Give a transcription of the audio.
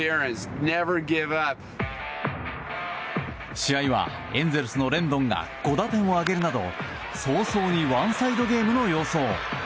試合はエンゼルスのレンドンが５打点を挙げるなど早々にワンサイドゲームの様相。